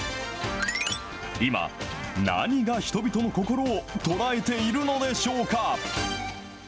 今、何が人々の心を捉えているのでしょうか。